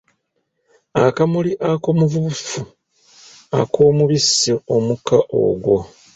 Akamuli akavubufu ak’omubisi omuka ogwo.